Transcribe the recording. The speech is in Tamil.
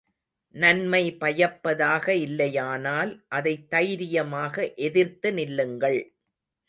நன்மை பயப்பதாக இல்லையானால் அதைத் தைரியமாக எதிர்த்து நில்லுங்கள்.